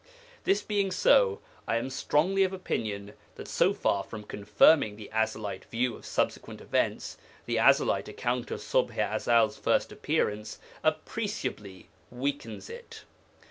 This being so, I am strongly of opinion that so far from confirming the Ezelite view of subsequent events, the Ezelite account of Ṣubḥ i Ezel's first appearance appreciably weakens it.